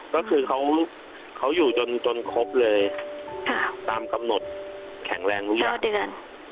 ก็คือเขาอยู่จนครบเลยตามกำหนดแข็งแรงทุกอย่าง